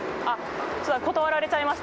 断られちゃいました。